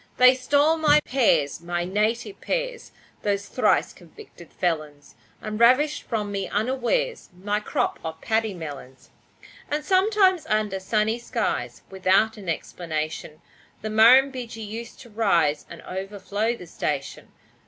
They stole my pears my native pears Those thrice convicted felons, And ravished from me unawares My crop of paddy melons. And sometimes under sunny skies, Without an explanation, The Murrumbidgee used to rise And overflow the station.